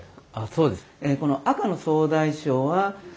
そうです。